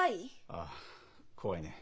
ああ怖いね。